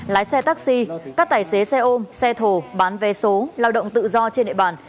lái xe taxi các tài xế xe ôm xe thổ bán vé số lao động tự do trên địa bàn